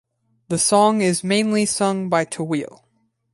The song is mainly sung by Tawil.